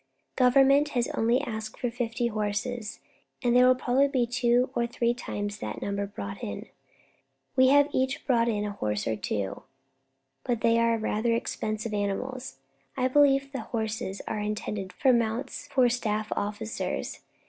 Government has only asked for fifty horses, and there will probably be two or three times that number brought in. We have each brought in a horse or two, but they are rather expensive animals. I believe the horses are intended for mounts for staff officers.